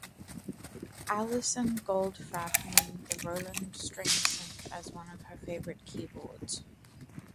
Alison Goldfrapp named the Roland String synth as one of her favourite keyboards.